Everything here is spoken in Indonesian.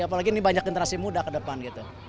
apalagi ini banyak generasi muda ke depan gitu